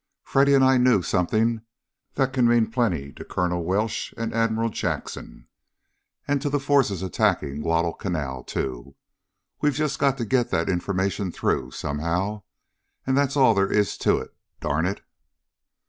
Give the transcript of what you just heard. "Freddy and I knew something that can mean plenty to Colonel Welsh and Admiral Jackson. And to the forces attacking Guadalcanal, too. We've just got to get that information through, somehow. And that's all there is to it, darn it!"